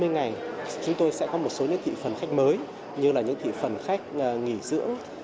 ba mươi ngày chúng tôi sẽ có một số những thị phần khách mới như là những thị phần khách nghỉ dưỡng